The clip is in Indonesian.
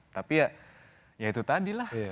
tapi ya ya itu tadi lah